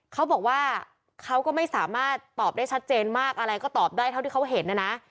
เขาบอกว่าเขาก็ไม่สามารถตอบได้ชัดเจนมากอะไรก็ตอบได้เท่าที่เขาเห็นนะนะ